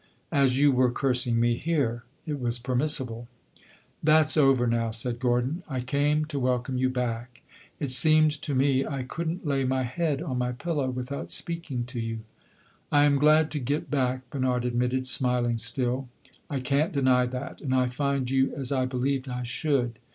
As you were cursing me here, it was permissible." "That 's over now," said Gordon. "I came to welcome you back. It seemed to me I could n't lay my head on my pillow without speaking to you." "I am glad to get back," Bernard admitted, smiling still. "I can't deny that. And I find you as I believed I should."